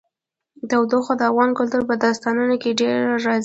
تودوخه د افغان کلتور په داستانونو کې ډېره راځي.